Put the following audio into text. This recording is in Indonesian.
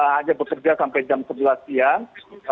hanya bekerja sampai jam sebelas siang